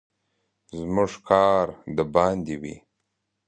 زموږ کار د باندې وي.